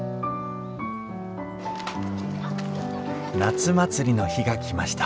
夏祭りの日が来ました